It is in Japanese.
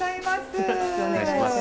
よろしくお願いします。